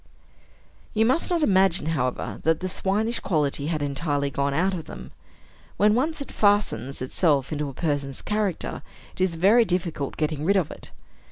You must not imagine, however, that the swinish quality had entirely gone out of them. When once it fastens itself into a person's character, it is very difficult getting rid of it.